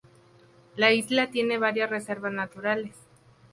La isla tiene varias reservas naturales.